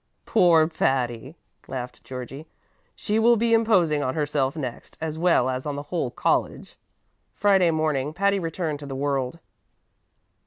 "Poor Patty!" laughed Georgie. "She will be imposing on herself next, as well as on the whole college." Friday morning Patty returned to the world.